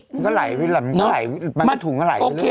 มันก็ไหลไปเลยมันก็ถุงก็ไหลไปเลย